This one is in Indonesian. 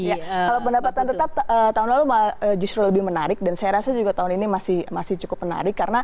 kalau pendapatan tetap tahun lalu justru lebih menarik dan saya rasa juga tahun ini masih cukup menarik